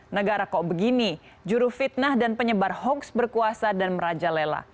negara kok begini juru fitnah dan penyebar hoaks berkuasa dan meraja lela